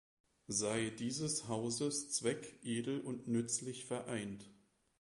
Sey dieses Hauses Zweck, edel und nützlich vereint.